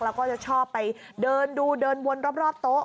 แล้วก็จะชอบไปเดินดูเดินวนรอบโต๊ะ